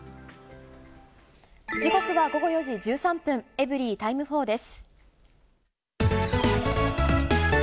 時刻は午後４時１３分、エブリィタイム４です。